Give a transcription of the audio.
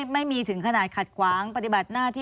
ไม่มีถึงขนาดขัดขวางปฏิบัติหน้าที่